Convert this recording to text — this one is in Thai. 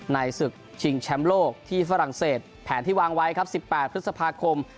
ศึกชิงแชมป์โลกที่ฝรั่งเศสแผนที่วางไว้ครับ๑๘พฤษภาคม